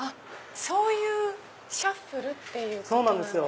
そういうシャッフルってことなんですか？